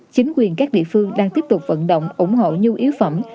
chính quyền các địa phương đang tiếp tục vận động ủng hộ nhu yếu phẩm